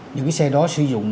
những cái xe đó sử dụng